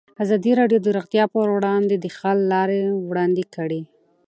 ازادي راډیو د روغتیا پر وړاندې د حل لارې وړاندې کړي.